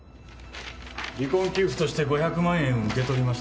「離婚給付として５００万円受け取りました。